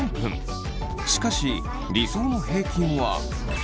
しかし理想の平均は８分。